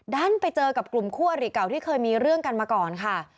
ดันไปเจอกับกลุ่มคู่อริเก่าที่เคยมีเรื่องกันมาก่อนค่ะ